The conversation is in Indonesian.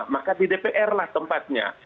maka di dpr lah tempatnya